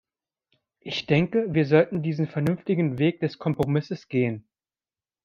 Ich denke, wir sollten diesen vernünftigen Weg des Kompromisses gehen.